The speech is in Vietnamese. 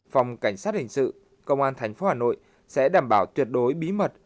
phòng cảnh sát hình sự công an tp hà nội sẽ đảm bảo tuyệt đối bí mật